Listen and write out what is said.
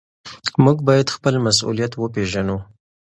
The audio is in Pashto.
موږ بايد خپل مسؤليت وپېژنو.